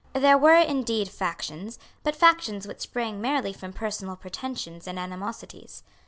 There were, indeed, factions, but factions which sprang merely from personal pretensions and animosities.